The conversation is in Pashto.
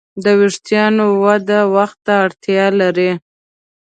د وېښتیانو وده وخت ته اړتیا لري.